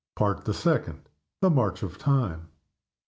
Part the Second. THE MARCH OF TIME.